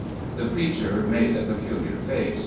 The preacher made a peculiar face.